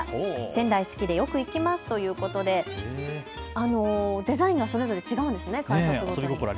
仙台好きでよく行きますということで、デザインがそれぞれ違うんですね、改札の。